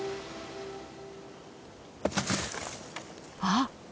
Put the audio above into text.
・あっ